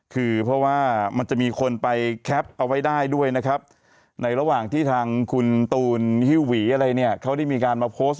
คือเพราะว่ามันจะมีคนไปแคปเอาไว้ได้ด้วยนะครับในระหว่างที่ทางคุณตูนฮิวหวีอะไรเนี่ยเขาได้มีการมาโพสต์